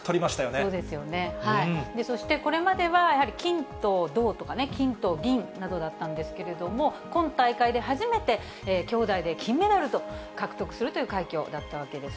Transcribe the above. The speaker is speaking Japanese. そうですね、そしてこれまでは、やはり金と銅とかね、金と銀などだったんですけれども、今大会で初めて兄妹で金メダルを獲得するという快挙だったわけです。